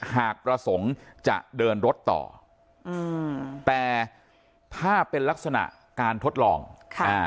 หากประสงค์จะเดินรถต่ออืมแต่ภาพเป็นลักษณะการทดลองค่ะอ่า